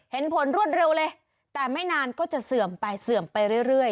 เห็นผลรวดเร็วเลยแต่ไม่นานก็จะเสื่อมไปเสื่อมไปเรื่อย